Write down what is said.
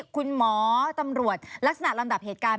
คุณหมอตำรวจลักษณะลำดับเหตุการณ์